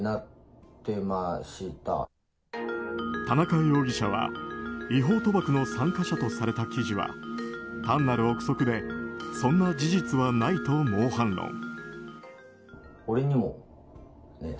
田中容疑者は違法賭博の参加者とされた記事は単なる憶測でそんな事実はないと猛反論。